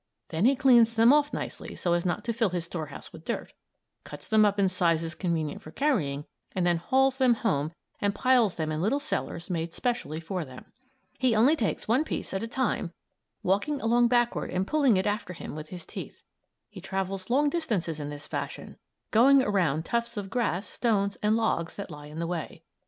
Then he cleans them off nicely so as not to fill his storehouse with dirt; cuts them up in sizes convenient for carrying, and then hauls them home and piles them up in little cellars made specially for them. He only takes one piece at a time, walking along backward and pulling it after him with his teeth. He travels long distances in this fashion, going around tufts of grass, stones, and logs that lie in the way.